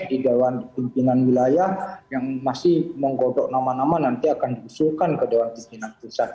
di dewan pimpinan wilayah yang masih menggodok nama nama nanti akan diusulkan ke dewan pimpinan pusat